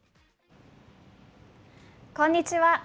こんにちは。